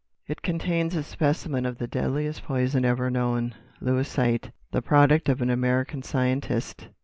It contains a specimen of the deadliest poison ever known, 'Lewisite,' the product of an American scientist.